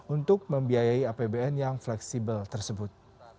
untuk membiayai apbn yang fleksibel tersebut